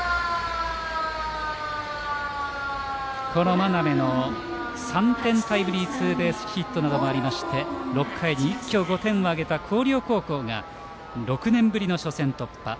真鍋の３点タイムリーツーベースヒットもありまして６回に一挙５点を挙げた広陵高校が６年ぶりの初戦突破。